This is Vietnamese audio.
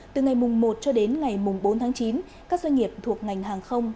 từ ngày mùng một cho đến ngày mùng bốn tháng chín các doanh nghiệp thuộc ngành hàng không